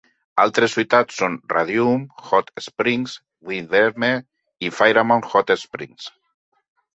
Altres ciutat són Radium Hot Springs, Windermere i Fairmont Hot Springs.